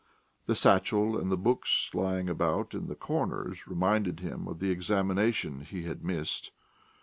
The satchel and the books lying about in the corners reminded him of the examination he had missed....